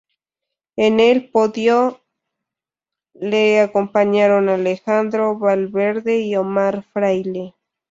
En el podio le acompañaron Alejandro Valverde y Omar Fraile.